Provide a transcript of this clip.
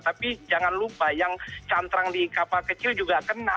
tapi jangan lupa yang cantrang di kapal kecil juga kena